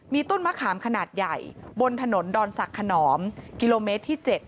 มีต้นมะขามขนาดใหญ่บนถนนดอนศักดิ์ขนอมกิโลเมตรที่๗